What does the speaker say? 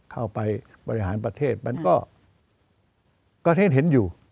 เข้าไปบริหารประเทศมันก็ประเทศเห็นอยู่